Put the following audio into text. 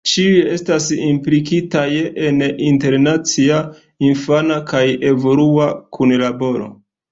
Ĉiuj estas implikitaj en internacia infana kaj evolua kunlaboro.